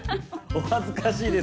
お恥ずかしいです。